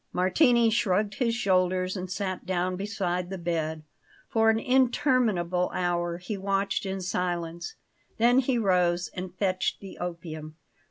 Martini shrugged his shoulders and sat down beside the bed. For an interminable hour he watched in silence; then he rose and fetched the opium.